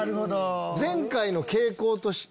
前回の傾向として。